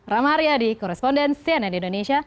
rama aryadi korrespondensi ana indonesia